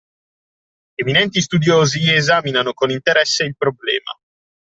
Eminenti studiosi esaminano con interesse il problema